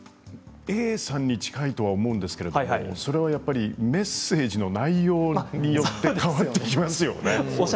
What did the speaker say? Ａさんに近いと思うんですけれどそれは、やっぱりメッセージの内容によって変わってきますね。